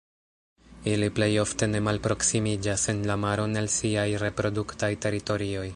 Ili plej ofte ne malproksimiĝas en la maron el siaj reproduktaj teritorioj.